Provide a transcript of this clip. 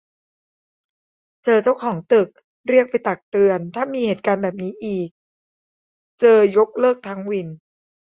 เจอเจ้าของตึกเรียกไปตักเตือน ถ้ามีเหตุการณ์แบบนี้อีกเจอยกเลิกทั้งวิน